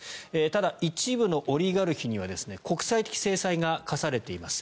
ただ、一部のオリガルヒには国際的制裁が科されています。